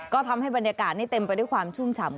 ก็ทำให้บรรยากาศนี้เต็มไปด้วยความชุ่มฉ่ำ